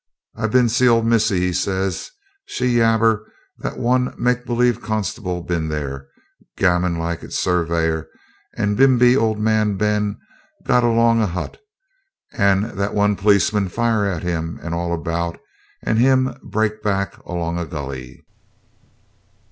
'I bin see old missis,' he says. 'She yabber that one make believe constable bin there. Gammon like it surveyor, and bimeby old man Ben gon' alonga hut, and that one pleeceman fire at him and all about, and him break back alonga gully.'